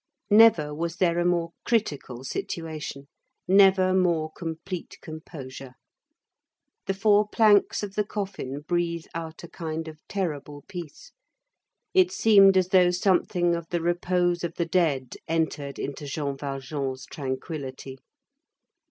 Never was there a more critical situation, never more complete composure. The four planks of the coffin breathe out a kind of terrible peace. It seemed as though something of the repose of the dead entered into Jean Valjean's tranquillity.